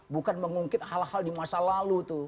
bukan mengungkit hal hal di masa lalu tuh